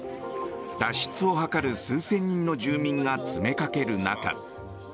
脱出を図る数千人の住民が詰めかける中。